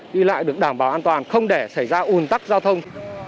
đi lại được đảm bảo an toàn không để xảy ra ủn tắc giao thông